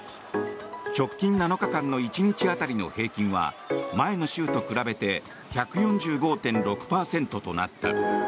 直近７日間の１日当たりの平均は前の週と比べて１４５．６％となった。